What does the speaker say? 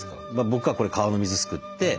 僕はこれ川の水すくって。